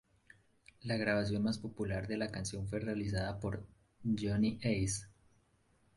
La grabación más popular de la canción fue realizada por Johnny Ace.